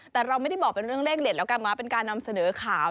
แต่เราไม่ได้บอกเป็นเรื่องเลขเด็ดแล้วกันนะเป็นการนำเสนอข่าว